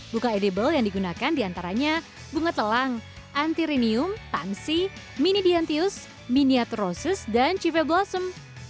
buka edible yang digunakan diantaranya bunga telang antirinium pangsi mini diantius mini atrosus dan chive blossom